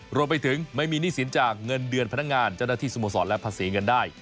รวมไปถึงไม่มีหนี้สินจากเงินเดือนพนักงานเจ้าหน้าที่สโมสรและภาษีเงินได้